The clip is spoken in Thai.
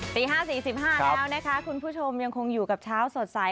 ตี๕๔๕แล้วนะคะคุณผู้ชมยังคงอยู่กับเช้าสดใส